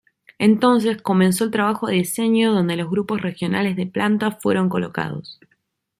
Entonces comenzó el trabajo de diseño donde los grupos regionales de plantas fueron colocados.